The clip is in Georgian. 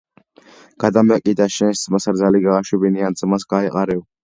გადამეკიდა შენს ძმას რძალი გააშვებინე ან ძმას გაეყარეო